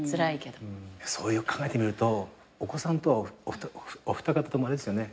考えてみるとお子さんとはお二方ともあれですよね。